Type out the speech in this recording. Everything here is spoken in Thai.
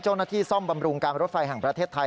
เจ้าหน้าที่ซ่อมบำรุงการรถไฟแห่งประเทศไทย